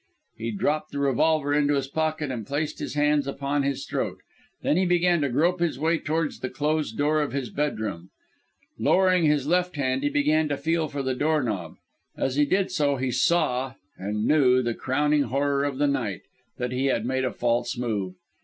He dropped the revolver into his pocket, and placed his hands upon his throat. Then he began to grope his way towards the closed door of his bedroom. Lowering his left hand, he began to feel for the doorknob. As he did so, he saw and knew the crowning horror of the night that he had made a false move.